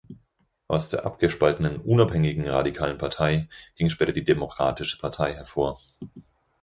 Aus der abgespaltenen "Unabhängigen Radikalen Partei" ging später die Demokratische Partei hervor.